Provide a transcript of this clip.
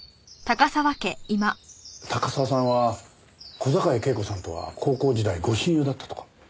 高沢さんは小坂井恵子さんとは高校時代ご親友だったとか。